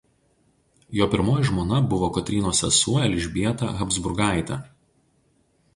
Jo pirmoji žmona buvo Kotrynos sesuo Elžbieta Habsburgaitė.